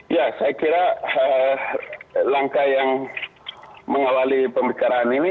ya saya kira langkah yang mengawali pembicaraan ini